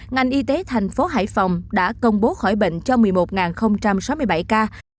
ngành y tế thành phố hải phòng đã công bố khỏi bệnh cho một mươi một sáu mươi bảy ca